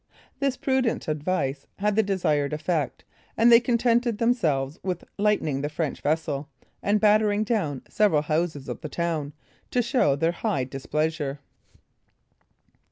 This prudent advice had the desired effect, and they contented themselves with lightening the French vessel, and battering down several houses of the town, to show their high displeasure.